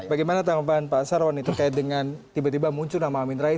bagaimana tanggapan pak sarwani terkait dengan tiba tiba muncul nama amin rais